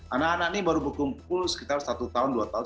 anak anak ini baru berkumpul sekitar satu tahun dua tahun